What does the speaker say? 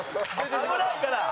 危ないから。